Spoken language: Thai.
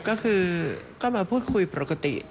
คุณหมอปารุสอยู่ด้วย